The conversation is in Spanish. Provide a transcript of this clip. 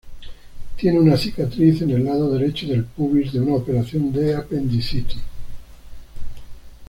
Tiene una cicatriz en el lado derecho del pubis de una operación de apendicitis.